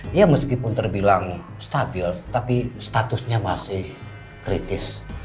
dia meskipun terbilang stabil tapi statusnya masih kritis